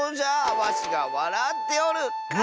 わしがわらっておる！